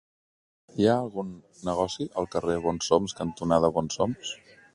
Hi ha algun negoci al carrer Bonsoms cantonada Bonsoms?